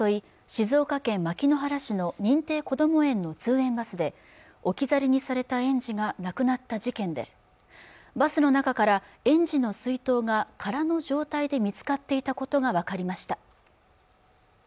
静岡県牧之原市の認定こども園の通園バスで置き去りにされた園児が亡くなった事件でバスの中から園児の水筒が空の状態で見つかっていたことが分かりました